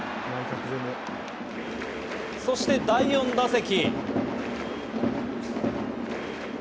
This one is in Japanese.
そして第４打席。